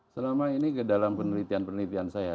selama ini ke dalam penelitian penelitian saya